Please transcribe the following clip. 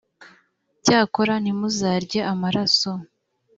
cyakora, ntimuzarye amaraso: